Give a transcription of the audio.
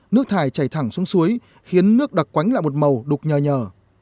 nước thải chảy thẳng xuống suối khiến nước đặc quánh lại một màu đục nhờ nhờ